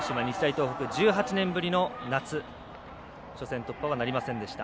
東北１８年ぶりの夏初戦突破はなりませんでした。